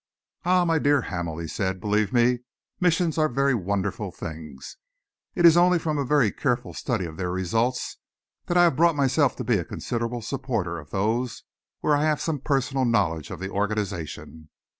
"Ah, my dear Hamel," he said, "believe me, missions are very wonderful things. It is only from a very careful study of their results that I have brought myself to be a considerable supporter of those where I have some personal knowledge of the organisation.